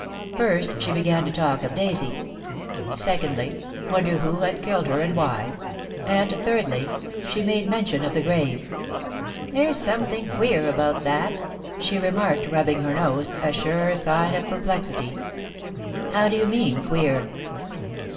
First she began to talk of Daisy; secondly, wonder who had killed her, and why; and thirdly, she made mention of the grave. "There's something queer about that," she remarked, rubbing her nose, a sure sign of perplexity. "How do you mean, queer?"